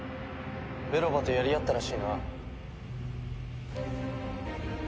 ベロバとやり合ったらしいな。